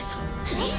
えっ！？